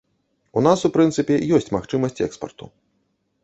У нас, у прынцыпе, ёсць магчымасць экспарту.